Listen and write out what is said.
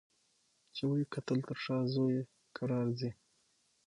چي یې وکتل تر شا زوی یې کرار ځي